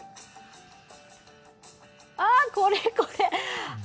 あっ、これこれ。